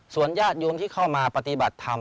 ส่วนญาติโยมที่เข้ามาปฏิบัติธรรม